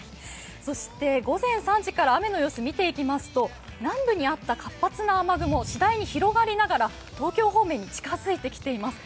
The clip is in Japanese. そして午前３時から雨の様子見ていきますと南部にあった活発な雨雲しだいに広がりながら東京方面に近づいてきます。